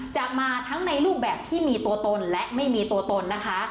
จะมาทั้งในรูปแบบที่มีตัวตนและไม่มีตัวตนนะคะ